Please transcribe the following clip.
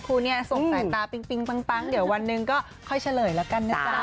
คู่นี้ส่งสายตาปิ๊งปั๊งเดี๋ยววันหนึ่งก็ค่อยเฉลยแล้วกันนะจ๊ะ